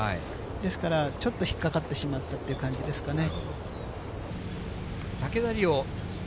ですから、ちょっと引っ掛かってしまったっていう感じですかね。